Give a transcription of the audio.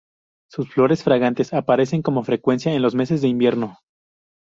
Sus flores fragantes aparecen con frecuencia en los meses de invierno.